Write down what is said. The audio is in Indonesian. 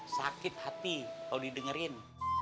sakit hati kalau didengerin